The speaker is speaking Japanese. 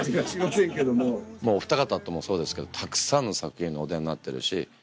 おふた方ともそうですけどたくさんの作品にお出になってるし。